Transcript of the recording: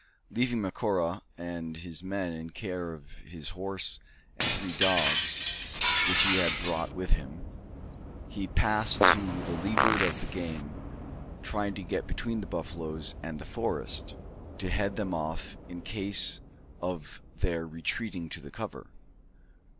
Leaving Macora and his men in care of his horse and three dogs which he had brought with him, he passed to the leeward of the game, trying to get between the buffaloes and the forest, to head them off in case of their retreating to the cover.